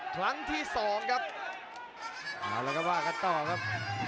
ครั้งที่สองครับ